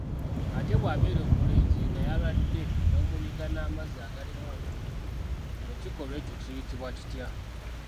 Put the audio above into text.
Ate bw'abeera omulenzi nga y'alwadde n'omunyiga n'amazzi agalimu otunnyu ekikolwa ekyo kiyitibwa kitya?